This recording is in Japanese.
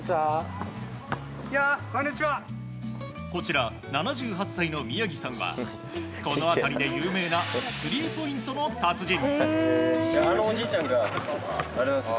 こちら、７８歳の宮城さんはこの辺りで有名なスリーポイントの達人。